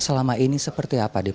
masih adalah anak yang tak patrim